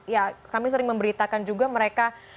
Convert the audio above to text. ya kami sering memberitakan juga mereka